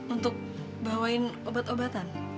untuk bawain obat obatan